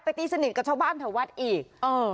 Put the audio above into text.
ไปตีสนิทกับชาวบ้านถวัดอีกเออ